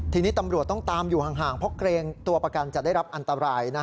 ทีนี้ตำรวจต้องตามอยู่ห่างเพราะเกรงตัวประกันจะได้รับอันตราย